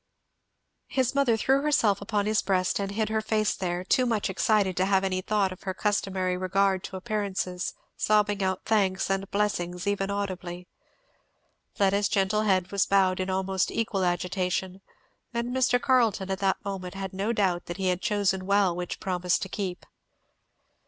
His mother threw herself upon his breast and hid her face there, too much excited to have any thought of her customary regard to appearances; sobbing out thanks and blessings even audibly. Fleda's gentle head was bowed in almost equal agitation; and Mr. Carleton at that moment had no doubt that he had chosen well which promise to keep.